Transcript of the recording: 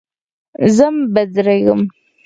ځم بيدېږم.